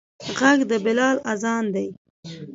غږ د بلال اذان دی